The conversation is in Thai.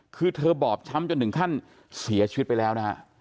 คือเธอบอบช้ำจนถึงขั้นเสียชีวิตไปแล้วนะฮะ